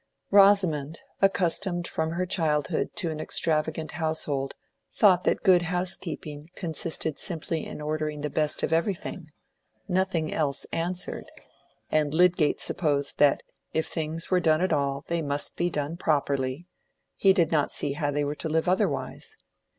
Rosamond, accustomed from her childhood to an extravagant household, thought that good housekeeping consisted simply in ordering the best of everything—nothing else "answered;" and Lydgate supposed that "if things were done at all, they must be done properly"—he did not see how they were to live otherwise.